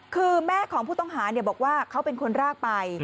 คือแม่ของผู้ต้องหาบอกว่าเขาเป็นคนรากไป